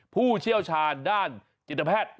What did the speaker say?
ผู้เชี่ยวชาญด้านจิตแพทย์